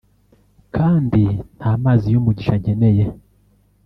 kandi nta mazi y’umugisha nkeneye